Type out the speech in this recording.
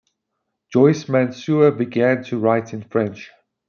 Joyce Mansour began to write in French.